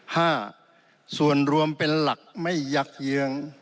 ห้าส่วนรวมเป็นหลักไม่ยักเยือง